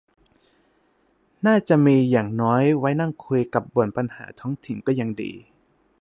น่าจะมี อย่างน้อยไว้นั่งคุยกับบ่นปัญหาท้องถิ่นก็ยังดี